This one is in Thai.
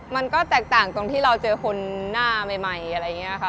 มันก็แตกต่างตรงที่เราเจอคนหน้าใหม่อะไรอย่างนี้ค่ะ